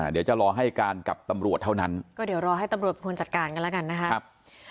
เดี๋ยวจะรอให้การกับตำรวจเท่านั้นก็เดี๋ยวรอให้ตำรวจเป็นคนจัดการกันแล้วกันนะครับ